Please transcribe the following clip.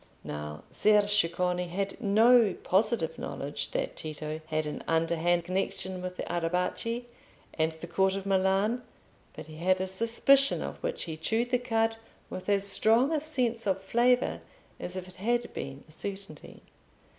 Now Ser Ceccone had no positive knowledge that Tito had an underhand connection with the Arrabbiati and the Court of Milan, but he had a suspicion of which he chewed the cud with as strong a sense of flavour as if it had been a certainty.